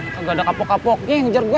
gak ada kapok kapoknya yang ngejar gue